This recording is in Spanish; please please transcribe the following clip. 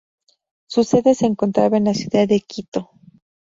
Su sede se encontraba en la ciudad de Quito.